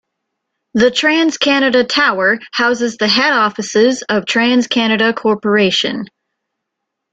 The TransCanada Tower houses the head offices of TransCanada Corporation.